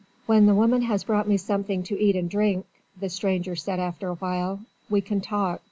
"When the woman has brought me something to eat and drink," the stranger said after a while, "we can talk.